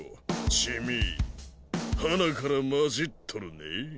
チミはなから混じっとるね？